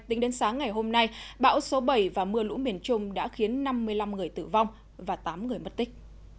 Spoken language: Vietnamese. tính đến sáng ngày hôm nay bão số bảy và mưa lũ miền trung đã khiến năm mươi năm người tử vong và tám người mất tích